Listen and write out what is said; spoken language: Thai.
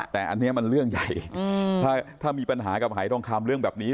แต่อันนี้มันเรื่องใหญ่ถ้ามีปัญหากับหายทองคำเรื่องแบบนี้